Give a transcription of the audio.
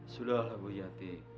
sudahlah bu yati